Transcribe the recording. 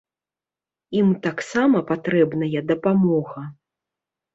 Ім таксама патрэбная дапамога.